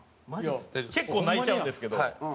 結構泣いちゃうんですけど。